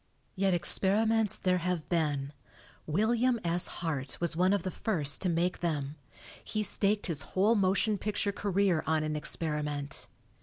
Yet experiments there have been. William S. Hart was one of the first to make them ; he staked his whole motion picture career on an experiment.